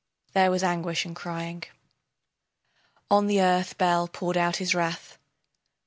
There was anguish and crying. On the earth Bel poured out his wrath.